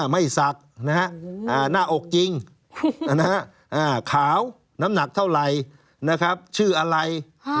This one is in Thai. ไม่สักหน้าอกจริงขาวน้ำหนักเท่าไหร่ชื่ออะไร